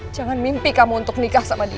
jangan mimpi kamu untuk nikah sama dia